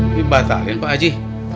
ini batalin pak haji